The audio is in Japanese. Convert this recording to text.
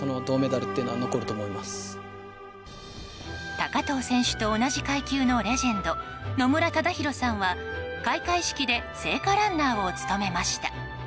高藤選手と同じ階級のレジェンド、野村忠宏さんは開会式で聖火ランナーを務めました。